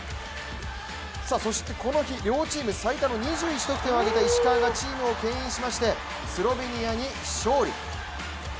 そして、この日最多の２１得点を挙げた石川がチームを牽引しましてスロベニアに勝利。